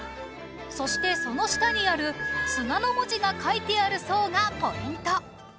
そしてその下にある「砂」の文字が書いてある層がポイント